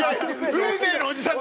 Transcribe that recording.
「運命のおじさん」